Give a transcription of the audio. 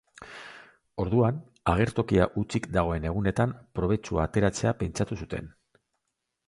Orduan, agertokia hutsik dagoen egunetan probetxua ateratzea pentsatu zuten.